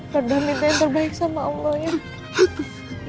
berdoa minta yang terbaik sama allah